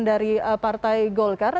dari partai golkar